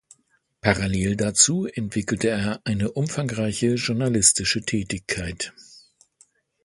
Parallel dazu entwickelte er eine umfangreiche journalistische Tätigkeit.